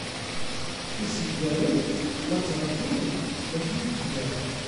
Isegbaren la ttṛajun ɣef yidebder.